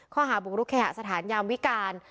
ข้อหาบุกรุกเคหสถานยามวิการ